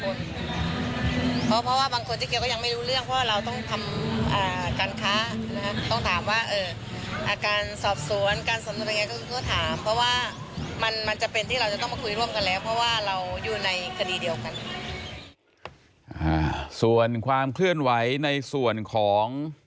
เพราะว่าบางคนเจ๊เกียวก็ยังไม่รู้เรื่อง